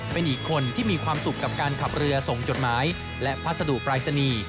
เป็นอีกคนที่มีความสุขกับการขับเรือส่งจดหมายและพัสดุปรายศนีย์